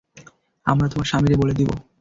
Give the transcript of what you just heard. আমরা তোমার স্বামীরে বলে দিবো।